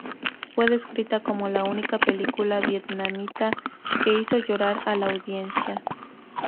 Fue descrita como la única película vietnamita que "hizo llorar a la audiencia".